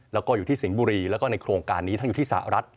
แล้วก็อยู่ที่สิงห์บุรีแล้วก็ในโครงการนี้ทั้งอยู่ที่สหรัฐ